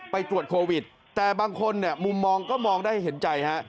ไปตรวจโควิดแต่บางคนเนี่ยมุมมองก็มองได้เห็นใจฮะ